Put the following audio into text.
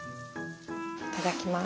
いただきます。